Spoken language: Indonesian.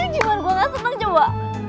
jangan gue gak seneng coba